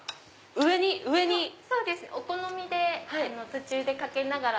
お好みで途中でかけながら。